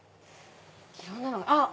いろんなのがある！